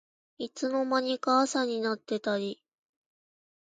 いつの間にか朝になってたり